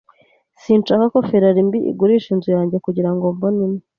Sinshaka ko Ferrari mbi igurisha inzu yanjye kugirango mbone imwe.